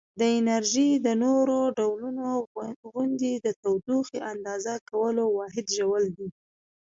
د انرژي د نورو ډولونو غوندې د تودوخې اندازه کولو واحد ژول دی.